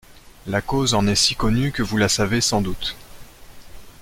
La cause en est si connue que vous la savez sans doute.